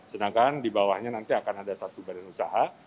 sedangkan di bawahnya nanti akan ada satu badan usaha